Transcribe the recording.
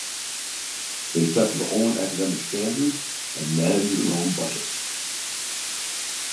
They set their own academic standards and manage their own budgets.